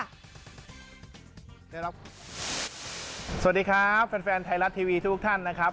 สวัสดีครับแฟนไทยรัฐทีวีทุกท่านนะครับ